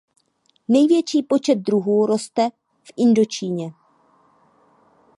Největší počet druhů roste v Indočíně.